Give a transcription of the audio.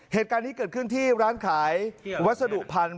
เหตุการณ์นี้เกิดขึ้นที่ร้านขายวัสดุพันธุ